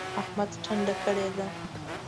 احمد ټنډه کړې ده.